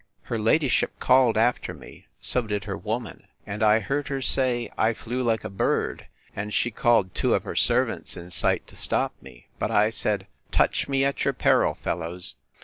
Her ladyship called after me; so did her woman; and I heard her say, I flew like a bird; and she called two of her servants in sight to stop me; but I said, Touch me at your peril, fellows!